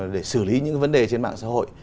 để xử lý những vấn đề trên mạng xã hội